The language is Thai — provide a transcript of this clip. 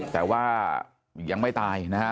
แต่ว่ายังไม่ตายนะฮะ